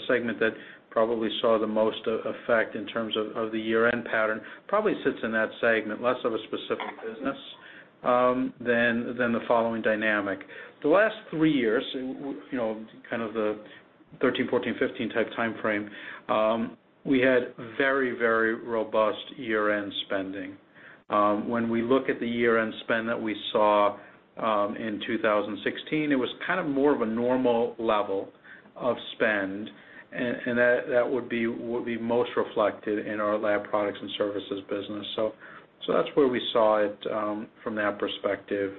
Speaker 3: segment that probably saw the most effect in terms of the year-end pattern, probably sits in that segment, less of a specific business than the following dynamic. The last three years, kind of the 2013, 2014, 2015 type timeframe, we had very robust year-end spending. When we look at the year-end spend that we saw in 2016, it was kind of more of a normal level of spend, and that would be most reflected in our Laboratory Products and Services business. That's where we saw it from that perspective,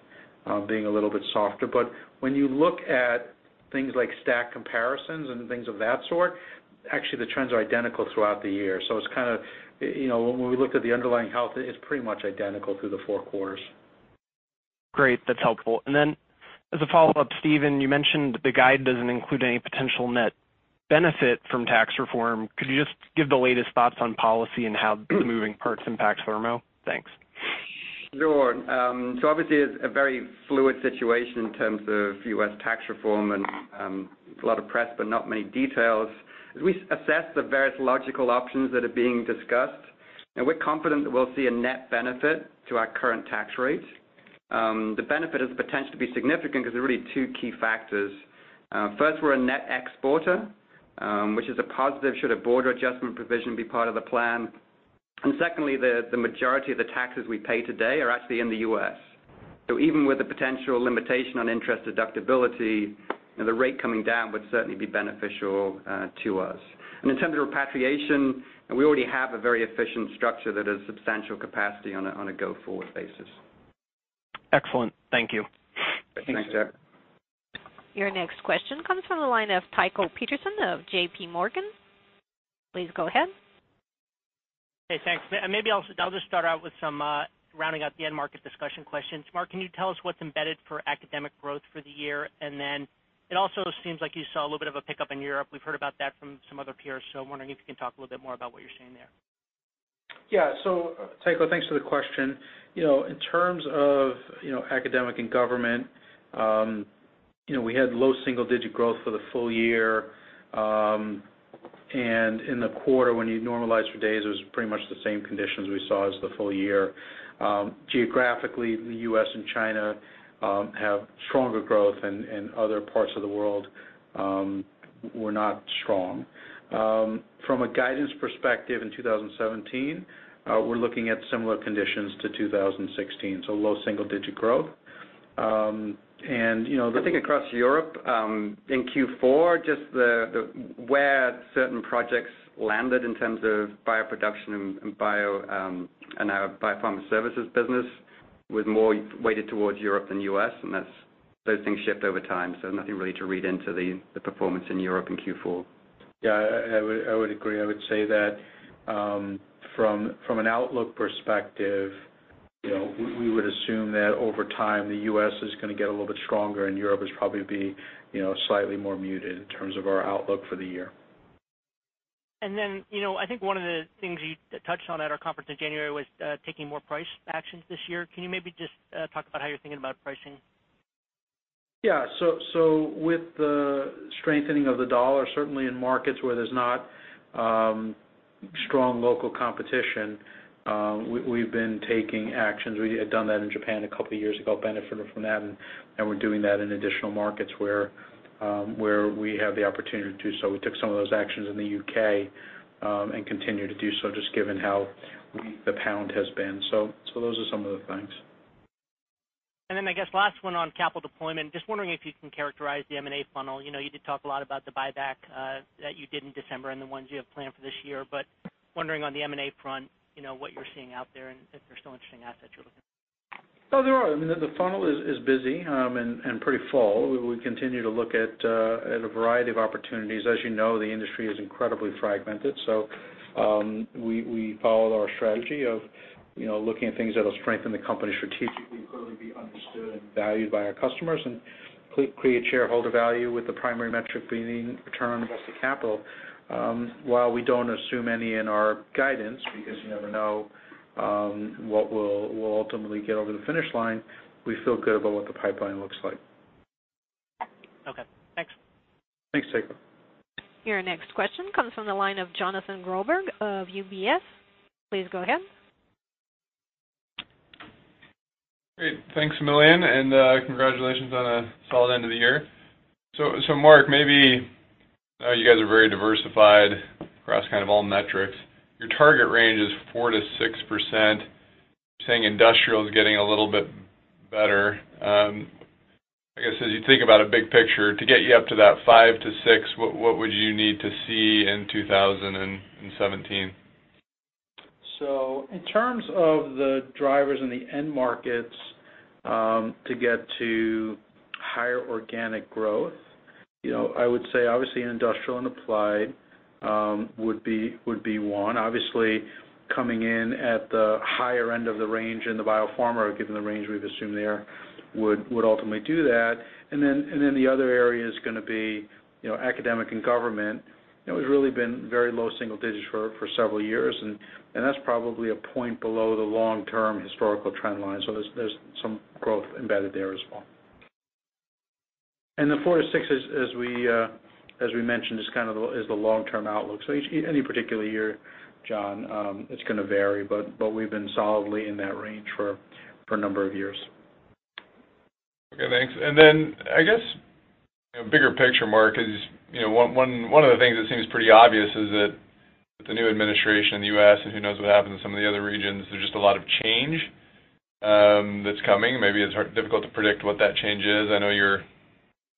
Speaker 3: being a little bit softer. When you look at things like stack comparisons and things of that sort, actually, the trends are identical throughout the year. When we looked at the underlying health, it's pretty much identical through the four quarters.
Speaker 7: Great. That's helpful. As a follow-up, Stephen, you mentioned the guide doesn't include any potential net benefit from tax reform. Could you just give the latest thoughts on policy and how the moving parts impacts Thermo? Thanks.
Speaker 4: Sure. Obviously, it's a very fluid situation in terms of U.S. tax reform, there's a lot of press, not many details. As we assess the various logical options that are being discussed, we're confident that we'll see a net benefit to our current tax rate. The benefit has the potential to be significant because there are really two key factors. First, we're a net exporter, which is a positive should a border adjustment provision be part of the plan. Secondly, the majority of the taxes we pay today are actually in the U.S. Even with the potential limitation on interest deductibility, the rate coming down would certainly be beneficial to us. In terms of repatriation, we already have a very efficient structure that has substantial capacity on a go-forward basis.
Speaker 7: Excellent. Thank you.
Speaker 4: Thanks, Jack.
Speaker 1: Your next question comes from the line of Tycho Peterson of JPMorgan. Please go ahead.
Speaker 8: Okay, thanks. Maybe I'll just start out with some, rounding out the end market discussion questions. Marc, can you tell us what's embedded for academic growth for the year? It also seems like you saw a little bit of a pickup in Europe. We've heard about that from some other peers, so I'm wondering if you can talk a little bit more about what you're seeing there.
Speaker 3: Yeah. Tycho, thanks for the question. In terms of academic and government, we had low single-digit growth for the full year. In the quarter, when you normalize for days, it was pretty much the same conditions we saw as the full year. Geographically, the U.S. and China have stronger growth, and other parts of the world were not strong. From a guidance perspective in 2017, we're looking at similar conditions to 2016, low single-digit growth.
Speaker 4: The thing across Europe, in Q4, just where certain projects landed in terms of bioproduction and our biopharma services business was more weighted towards Europe than U.S., and those things shift over time, so nothing really to read into the performance in Europe in Q4.
Speaker 3: Yeah, I would agree. I would say that from an outlook perspective, we would assume that over time, the U.S. is going to get a little bit stronger and Europe is probably going to be slightly more muted in terms of our outlook for the year.
Speaker 8: I think one of the things you touched on at our conference in January was taking more price actions this year. Can you maybe just talk about how you're thinking about pricing?
Speaker 3: Yeah. With the strengthening of the dollar, certainly in markets where there's not strong local competition, we've been taking actions. We had done that in Japan a couple of years ago, benefited from that, and we're doing that in additional markets where we have the opportunity to do so. We took some of those actions in the U.K., and continue to do so, just given how weak the pound has been. Those are some of the things.
Speaker 8: I guess last one on capital deployment, just wondering if you can characterize the M&A funnel. You did talk a lot about the buyback that you did in December and the ones you have planned for this year. Wondering on the M&A front, what you're seeing out there, and if there's still interesting assets you're looking at.
Speaker 3: There are. I mean, the funnel is busy, and pretty full. We continue to look at a variety of opportunities. As you know, the industry is incredibly fragmented, so we followed our strategy of looking at things that'll strengthen the company strategically, clearly be understood and valued by our customers, and create shareholder value with the primary metric being return against the capital. While we don't assume any in our guidance, because you never know what we'll ultimately get over the finish line, we feel good about what the pipeline looks like.
Speaker 8: Okay, thanks.
Speaker 3: Thanks, Tycho.
Speaker 1: Your next question comes from the line of Jonathan Groberg of UBS. Please go ahead.
Speaker 9: Great. Thanks a million, and congratulations on a solid end of the year. Marc, maybe you guys are very diversified across kind of all metrics. Your target range is 4%-6%. You're saying industrial is getting a little bit better. I guess as you think about a big picture to get you up to that 5%-6%, what would you need to see in 2017?
Speaker 3: In terms of the drivers in the end markets to get to higher organic growth, I would say obviously industrial and applied would be one. Obviously, coming in at the higher end of the range in the biopharma, given the range we've assumed there, would ultimately do that. The other area is going to be academic and government. It has really been very low single digits for several years, and that's probably a point below the long-term historical trend line. There's some growth embedded there as well. The 4%-6%, as we mentioned, is the long-term outlook. Any particular year, John, it's going to vary, but we've been solidly in that range for a number of years.
Speaker 9: Okay, thanks. I guess bigger picture, Marc, is one of the things that seems pretty obvious is that with the new administration in the U.S., and who knows what happens in some of the other regions, there's just a lot of change that's coming. Maybe it's difficult to predict what that change is. I know your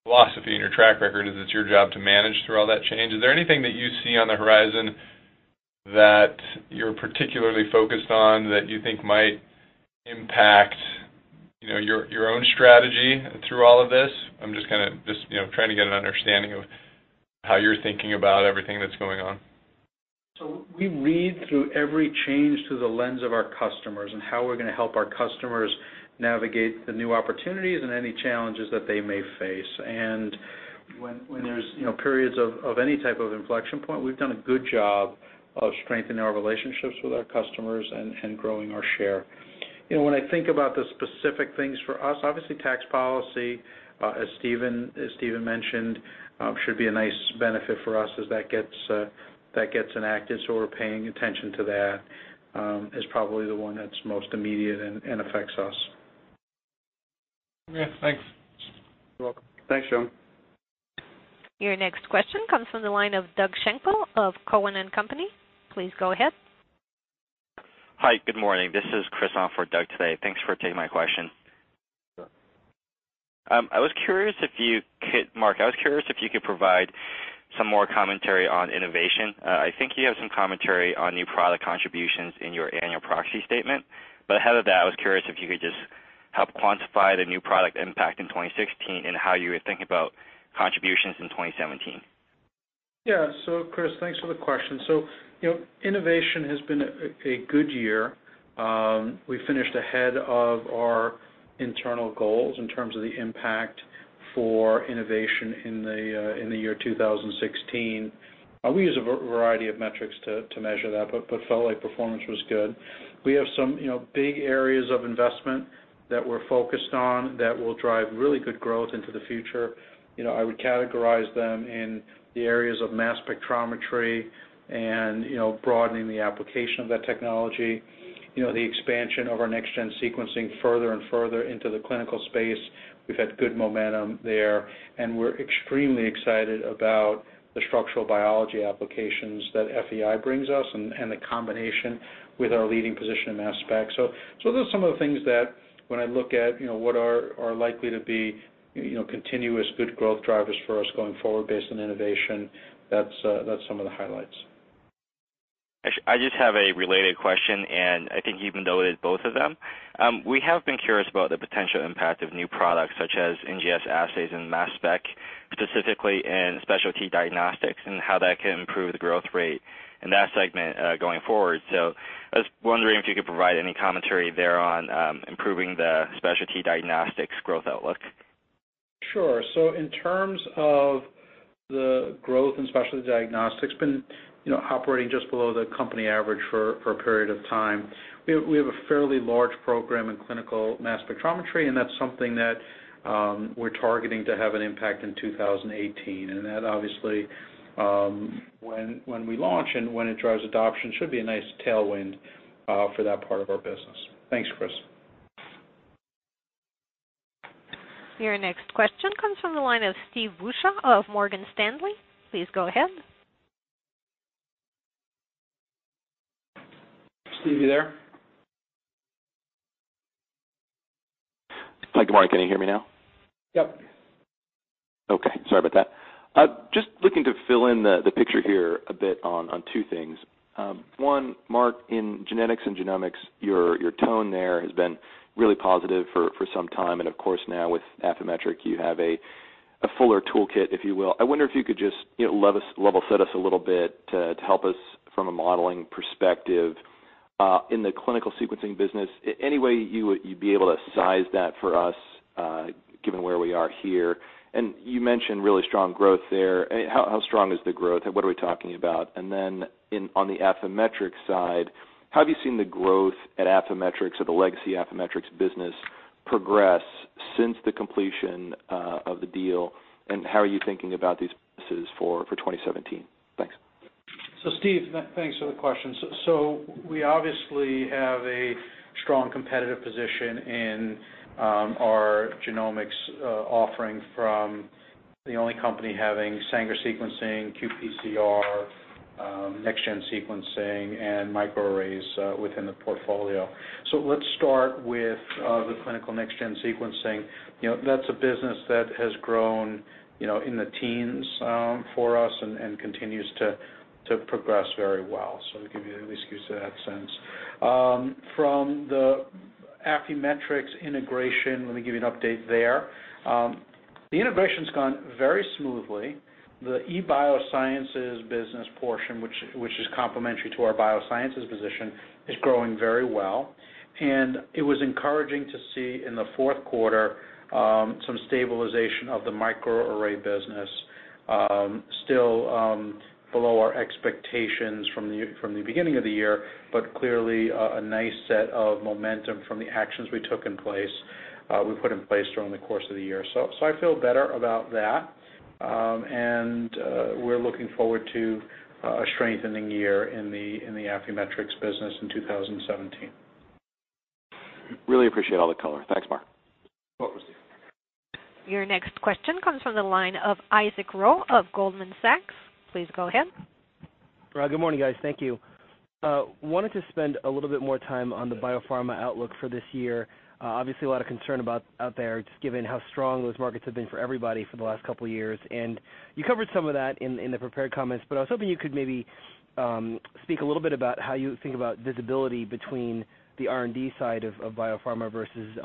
Speaker 9: philosophy and your track record is it's your job to manage through all that change. Is there anything that you see on the horizon that you're particularly focused on that you think might impact your own strategy through all of this? I'm just trying to get an understanding of how you're thinking about everything that's going on.
Speaker 3: We read through every change through the lens of our customers and how we're going to help our customers navigate the new opportunities and any challenges that they may face. When there's periods of any type of inflection point, we've done a good job of strengthening our relationships with our customers and growing our share. I think about the specific things for us, obviously tax policy, as Stephen mentioned, should be a nice benefit for us as that gets enacted. We're paying attention to that, is probably the one that's most immediate and affects us.
Speaker 9: Yeah, thanks.
Speaker 3: You're welcome.
Speaker 4: Thanks, John.
Speaker 1: Your next question comes from the line of Doug Schenkel of Cowen and Company. Please go ahead.
Speaker 10: Hi, good morning. This is Chris on for Doug today. Thanks for taking my question.
Speaker 3: Sure.
Speaker 10: Marc, I was curious if you could provide some more commentary on innovation. I think you have some commentary on new product contributions in your annual proxy statement. Ahead of that, I was curious if you could just help quantify the new product impact in 2016 and how you would think about contributions in 2017.
Speaker 3: Chris, thanks for the question. Innovation has been a good year. We finished ahead of our internal goals in terms of the impact for innovation in the year 2016. We use a variety of metrics to measure that, but felt like performance was good. We have some big areas of investment that we're focused on that will drive really good growth into the future. I would categorize them in the areas of mass spectrometry and broadening the application of that technology. The expansion of our next-gen sequencing further and further into the clinical space, we've had good momentum there, and we're extremely excited about the structural biology applications that FEI brings us and the combination with our leading position in mass spec. Those are some of the things that when I look at what are likely to be continuous good growth drivers for us going forward based on innovation, that's some of the highlights.
Speaker 10: I just have a related question, and I think you've alluded both of them. We have been curious about the potential impact of new products such as NGS assays and mass spec, specifically in Specialty Diagnostics and how that can improve the growth rate in that segment, going forward. I was wondering if you could provide any commentary there on improving the Specialty Diagnostics growth outlook.
Speaker 3: Sure. In terms of the growth in Specialty Diagnostics, been operating just below the company average for a period of time. We have a fairly large program in clinical mass spectrometry, and that's something that we're targeting to have an impact in 2018. That obviously, when we launch and when it drives adoption, should be a nice tailwind for that part of our business. Thanks, Chris.
Speaker 1: Your next question comes from the line of Steve Beuchaw of Morgan Stanley. Please go ahead.
Speaker 3: Steve, you there?
Speaker 11: Mike, good morning. Can you hear me now?
Speaker 3: Yep.
Speaker 11: Okay. Sorry about that. Just looking to fill in the picture here a bit on two things. One, Marc, in genetics and genomics, your tone there has been really positive for some time, and of course, now with Affymetrix, you have a fuller toolkit, if you will. I wonder if you could just level set us a little bit to help us from a modeling perspective, in the clinical sequencing business, any way you'd be able to size that for us, given where we are here? You mentioned really strong growth there. How strong is the growth? What are we talking about? On the Affymetrix side, how have you seen the growth at Affymetrix or the legacy Affymetrix business progress since the completion of the deal, and how are you thinking about these pieces for 2017? Thanks.
Speaker 3: Steve, thanks for the question. We obviously have a strong competitive position in our genomics offering from the only company having Sanger sequencing, qPCR, next-gen sequencing, and microarrays within the portfolio. Let's start with the clinical next-gen sequencing. That's a business that has grown in the teens for us and continues to progress very well. To give you a sense. From the Affymetrix integration, let me give you an update there. The integration's gone very smoothly. The eBioscience business portion, which is complementary to our biosciences position, is growing very well, and it was encouraging to see in the fourth quarter, some stabilization of the microarray business. Still below our expectations from the beginning of the year, clearly, a nice set of momentum from the actions we put in place during the course of the year. I feel better about that. We're looking forward to a strengthening year in the Affymetrix business in 2017.
Speaker 11: Really appreciate all the color. Thanks, Marc.
Speaker 3: You're welcome, Steve.
Speaker 1: Your next question comes from the line of Isaac Ro of Goldman Sachs. Please go ahead.
Speaker 12: Good morning, guys. Thank you. Wanted to spend a little bit more time on the biopharma outlook for this year. Obviously, a lot of concern out there, just given how strong those markets have been for everybody for the last couple of years. You covered some of that in the prepared comments, but I was hoping you could maybe speak a little bit about how you think about visibility between the R&D side of biopharma versus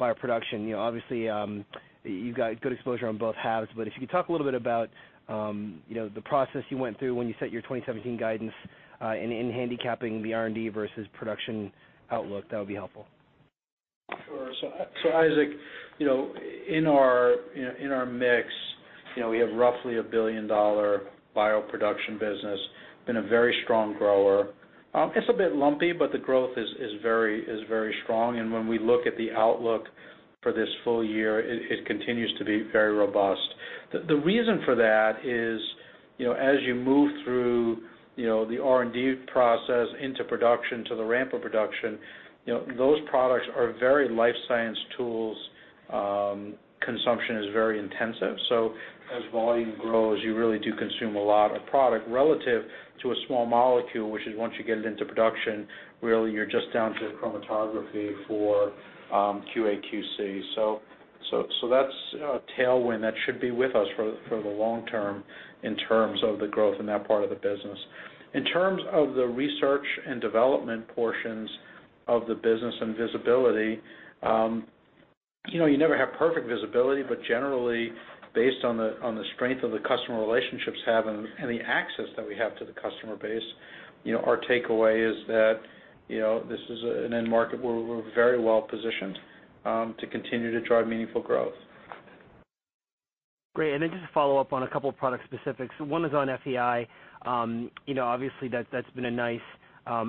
Speaker 12: bioproduction. Obviously, you've got good exposure on both halves, but if you could talk a little bit about the process you went through when you set your 2017 guidance, and in handicapping the R&D versus production outlook, that would be helpful.
Speaker 3: Sure. Isaac, in our mix, we have roughly a billion-dollar bioproduction business. Been a very strong grower. It's a bit lumpy, but the growth is very strong, and when we look at the outlook for this full year, it continues to be very robust. The reason for that is, as you move through the R&D process into production, to the ramp of production, those products are very life science tools. Consumption is very intensive. As volume grows, you really do consume a lot of product relative to a small molecule, which is, once you get it into production, really you're just down to chromatography for QA/QC. That's a tailwind that should be with us for the long term in terms of the growth in that part of the business. In terms of the research and development portions of the business and visibility, you never have perfect visibility, but generally, based on the strength of the customer relationships we have and the access that we have to the customer base, our takeaway is that this is an end market where we're very well positioned to continue to drive meaningful growth.
Speaker 12: Great. Just to follow up on a couple of product specifics. One is on FEI. Obviously, that's been a nice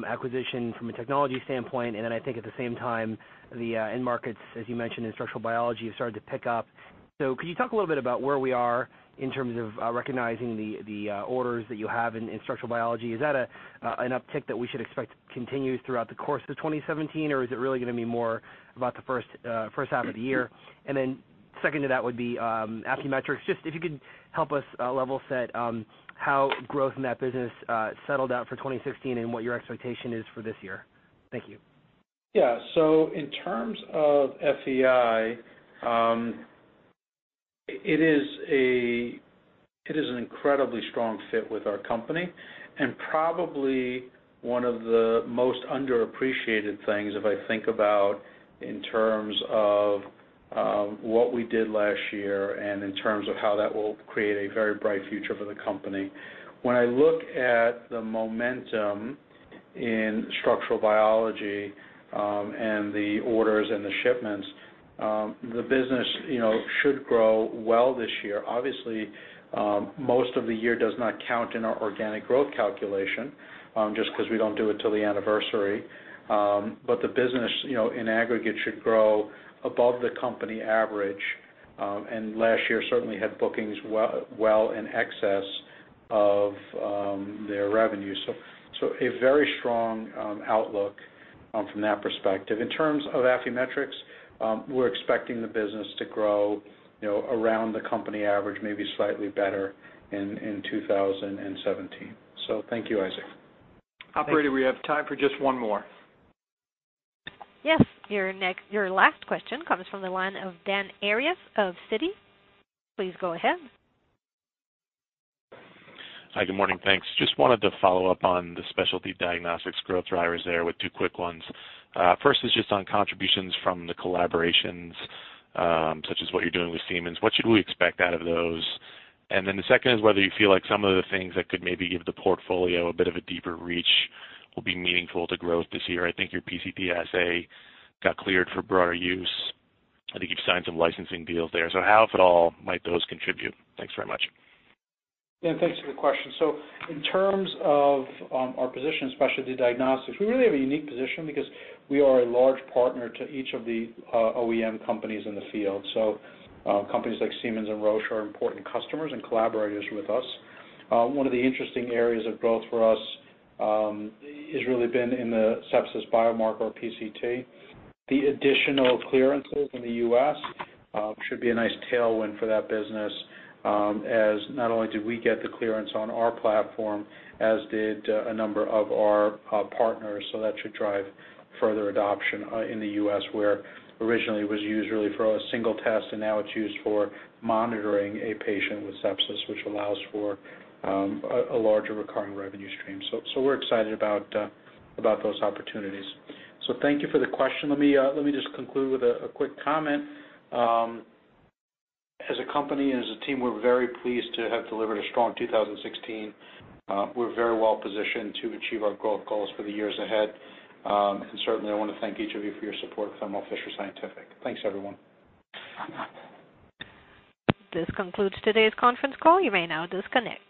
Speaker 12: acquisition from a technology standpoint, then I think at the same time, the end markets, as you mentioned in structural biology, have started to pick up. Could you talk a little bit about where we are in terms of recognizing the orders that you have in structural biology? Is that an uptick that we should expect continues throughout the course of 2017, or is it really going to be more about the first half of the year? Second to that would be Affymetrix. Just if you could help us level set how growth in that business settled out for 2016 and what your expectation is for this year. Thank you.
Speaker 3: In terms of FEI, it is an incredibly strong fit with our company, and probably one of the most underappreciated things if I think about in terms of what we did last year and in terms of how that will create a very bright future for the company. When I look at the momentum in structural biology and the orders and the shipments, the business should grow well this year. Obviously, most of the year does not count in our organic growth calculation, just because we don't do it till the anniversary. The business, in aggregate, should grow above the company average. Last year certainly had bookings well in excess of their revenue. A very strong outlook from that perspective. In terms of Affymetrix, we're expecting the business to grow around the company average, maybe slightly better in 2017. Thank you, Isaac.
Speaker 2: Operator, we have time for just one more.
Speaker 1: Yes. Your last question comes from the line of Dan Arias of Citi. Please go ahead.
Speaker 13: Hi, good morning. Thanks. Just wanted to follow up on the Specialty Diagnostics growth drivers there with two quick ones. First is just on contributions from the collaborations, such as what you're doing with Siemens. What should we expect out of those? The second is whether you feel like some of the things that could maybe give the portfolio a bit of a deeper reach will be meaningful to growth this year. I think your PCT assay got cleared for broader use. I think you've signed some licensing deals there. How, if at all, might those contribute? Thanks very much.
Speaker 3: Dan, thanks for the question. In terms of our position in Specialty Diagnostics, we really have a unique position because we are a large partner to each of the OEM companies in the field. Companies like Siemens and Roche are important customers and collaborators with us. One of the interesting areas of growth for us has really been in the sepsis biomarker, PCT. The additional clearances in the U.S. should be a nice tailwind for that business, as not only did we get the clearance on our platform, as did a number of our partners. That should drive further adoption in the U.S., where originally it was used really for a single test, and now it's used for monitoring a patient with sepsis, which allows for a larger recurring revenue stream. We're excited about those opportunities. Thank you for the question. Let me just conclude with a quick comment. As a company and as a team, we're very pleased to have delivered a strong 2016. We're very well-positioned to achieve our growth goals for the years ahead. Certainly, I want to thank each of you for your support for Thermo Fisher Scientific. Thanks, everyone.
Speaker 1: This concludes today's conference call. You may now disconnect.